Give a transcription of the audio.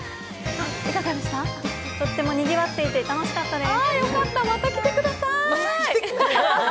とってもにぎわっていて楽しかったです。